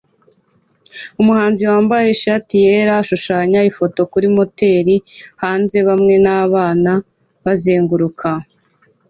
Umuhanzi wambaye ishati yera ashushanya ifoto kuri moteri hanze hamwe nabana bazenguruka